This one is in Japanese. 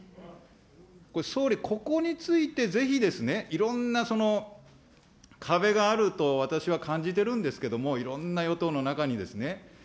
これ、総理、ここについてぜひ、いろんなその壁があると、私は感じてるんですけれども、いろんな与党の中にですね。